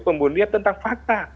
pembunuhnya tentang fakta